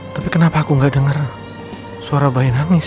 tapi kenapa aku gak denger suara bahin nangis